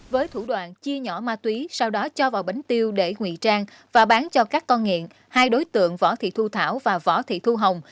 với thủ đoạn chia nhỏ ma túy sau đó cho vào bánh tiêu để ngụy trang và bán cho các con nghiện hai đối tượng võ thị thu thảo và võ thị thu hồng